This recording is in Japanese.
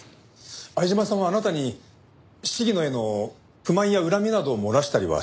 相島さんはあなたに鴫野への不満や恨みなどを漏らしたりはしませんでしたか？